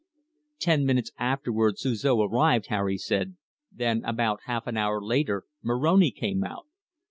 "Ten minutes afterwards Suzor arrived," Harry said. "Then about half an hour later Moroni came out."